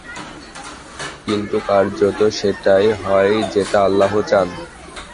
কিন্তু কার্যত সেটাই হয় যেটা আল্লাহ চান।